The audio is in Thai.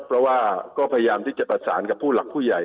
เพราะว่าก็พยายามที่จะประสานกับผู้หลักผู้ใหญ่